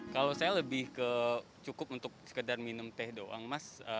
kalau saya lebih ke cukup untuk sekedar minum teh doang mas